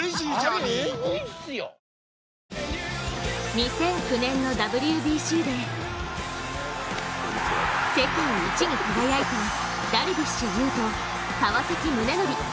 ２００９年のＷＢＣで世界一に輝いたダルビッシュ有と、川崎宗則。